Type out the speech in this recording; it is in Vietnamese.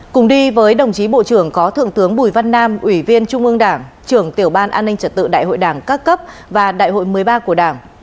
cùng đi với đồng chí bộ trưởng có thượng tướng bùi văn nam ủy viên trung ương đảng trưởng tiểu ban an ninh trật tự đại hội đảng các cấp và đại hội một mươi ba của đảng